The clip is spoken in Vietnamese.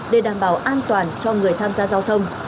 để đảm bảo an toàn cho người tham gia giao thông